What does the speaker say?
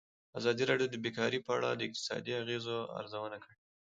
ازادي راډیو د بیکاري په اړه د اقتصادي اغېزو ارزونه کړې.